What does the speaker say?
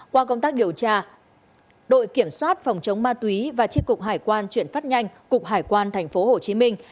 qua công tác điều tra đội kiểm soát phòng chống ma túy và tri cục hải quan chuyển phát nhanh cục hải quan thành phố hồ chí minh